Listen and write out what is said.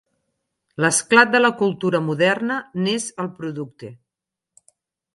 L'esclat de la cultura moderna n'és el producte.